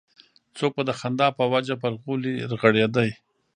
څوک به د خندا په وجه پر غولي رغړېده.